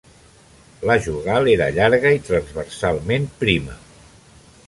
La jugal era llarga i transversalment prima.